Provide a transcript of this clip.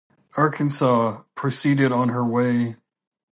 "Arkansas" proceeded on her way.